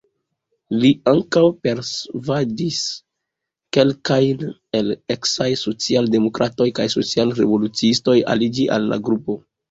Li ankaŭ persvadis kelkajn el eksaj social-demokratoj kaj social-revoluciistoj aliĝi al la grupo.